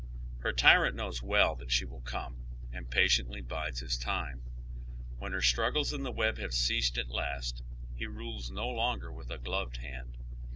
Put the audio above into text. Her tyrant knows well that she will come, and patiently bides his time. "Wlien her struggles in the web liave ceased at last, he rales no longer with gloved hand.